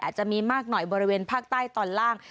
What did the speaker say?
อาจจะมีมากหน่อยบริเวณภาคใต้ตอนล่าง